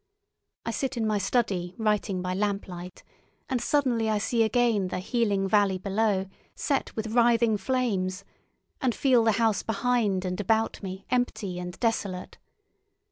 I sit in my study writing by lamplight, and suddenly I see again the healing valley below set with writhing flames, and feel the house behind and about me empty and desolate.